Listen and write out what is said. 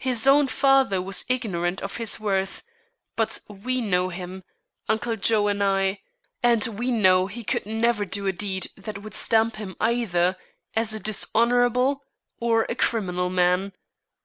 His own father was ignorant of his worth; but we know him, Uncle Joe and I, and we know he could never do a deed that could stamp him either as a dishonorable or a criminal man.